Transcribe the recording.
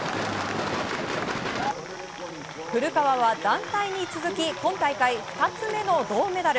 古川は、団体に続き今大会２つ目の銅メダル。